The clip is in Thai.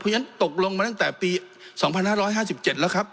เพราะฉะนั้นตกลงมาตั้งแต่ปี๒๕๕๗แล้วครับ